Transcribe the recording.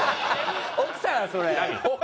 奥さんそれ。